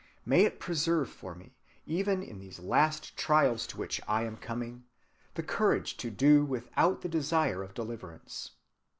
May it preserve for me, even in these last trials to which I am coming, the courage to do without the desire of deliverance.